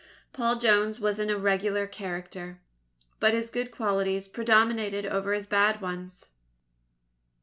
Paul Jones was an irregular character, but his good qualities predominated over his bad ones.